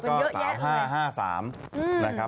คนต้องผู่่กันเยอะแยะ